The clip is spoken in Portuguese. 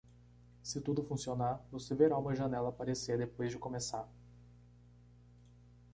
Se tudo funcionar, você verá uma janela aparecer depois de começar.